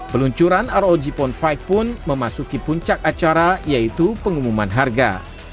peluncuran rog phone lima pun memasuki puncak acara yaitu pengumuman harga